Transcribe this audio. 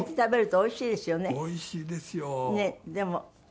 おいしいですよ。